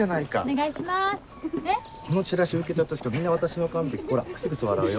このチラシを受け取った人みんな私の顔を見てほらクスクス笑うよ